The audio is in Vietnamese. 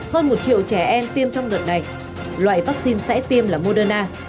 hơn một triệu trẻ em tiêm trong đợt này loại vaccine sẽ tiêm là moderna